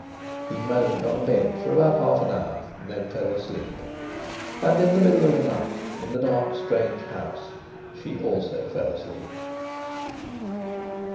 He moaned on a bed for about half an hour, and then fell asleep. And in the middle of the night, in the dark, strange house, she also fell asleep.